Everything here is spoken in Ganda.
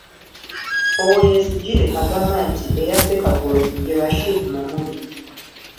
Owoyesigire agamba nti eyasse Kagolo ye Rashid Mamuli.